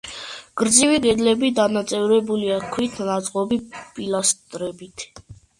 გრძივი კედლები დანაწევრებულია ქვით ნაწყობი პილასტრებით.